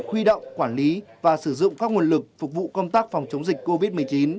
huy động quản lý và sử dụng các nguồn lực phục vụ công tác phòng chống dịch covid một mươi chín